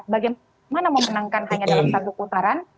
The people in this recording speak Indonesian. bagaimana memenangkan hanya dalam satu putaran